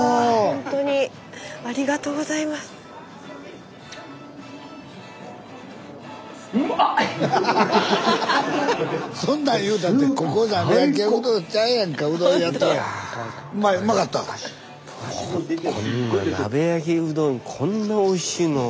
ほんとこんな鍋焼きうどんこんなおいしいのは。